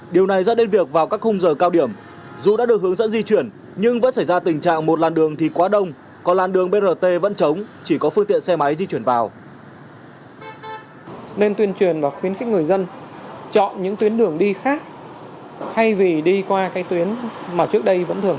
điều này dẫn đến việc vào các khung giờ cao điểm dù đã được hướng dẫn di chuyển nhưng vẫn xảy ra tình trạng một làn đường thì quá đông còn làn đường brt vẫn trống chỉ có phương tiện xe máy di chuyển vào